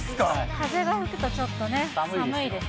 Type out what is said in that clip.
風が吹くとちょっとね、寒いです。